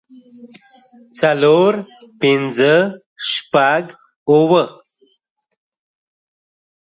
څلور پنځۀ شپږ اووه